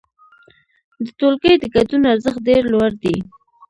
د ټولګي د ګډون ارزښت ډېر لوړ دی.